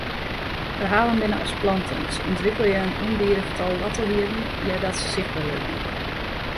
Ferhalen binne as planten, se ûntwikkelje in ûnbidich tal woartelhierren eardat se sichtber wurde.